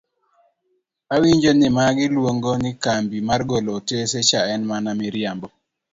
Awinjo ni magi luong'o ni kambi mar golo otese cha en mana miriambo!